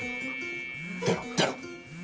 出ろ出ろ！